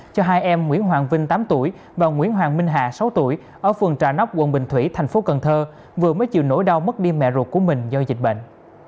cho hai em nguyễn hoàng vinh tám tuổi và nguyễn hoàng minh hà sáu tuổi ở phường trà nóc quận bình thủy thành phố cần thơ vừa mới chịu nỗi đau mất đi mẹ ruột của mình do dịch bệnh